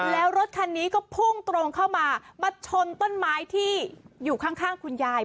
แล้วรถคันนี้ก็พุ่งตรงเข้ามามาชนต้นไม้ที่อยู่ข้างคุณยาย